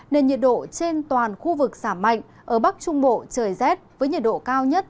nên nhiệt độ trên toàn khu vực giảm mạnh ở bắc trung bộ trời rét với nhiệt độ cao nhất